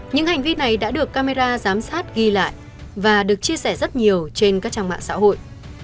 những hành vi này đã được camera giám sát ghi lại và được chia sẻ rất nhiều trên các trang mạng xã hội